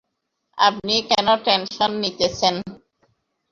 আপনি কেন টেনশন নিতেছেন?